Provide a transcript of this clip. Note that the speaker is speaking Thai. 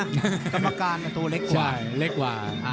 ธรรมการตัวเล็กกว่า